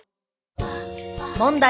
問題！